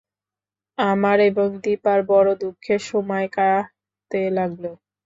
আমার এবং দিপার বড় দুঃখের সময় কাটতে লাগল।